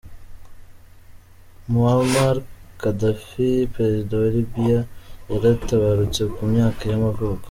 Muammar Gaddafi, Perezida wa Libya yaratabarutse ku myaka y’amavuko.